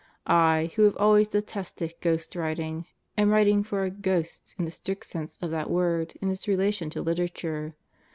I, who have always de tested ghost writing, am writing for a "ghost" in the strict sense of that word in its relation to literature.